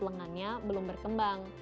lengannya belum berkembang